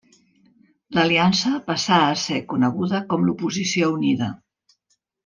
L'aliança passà a ser coneguda com l'Oposició Unida.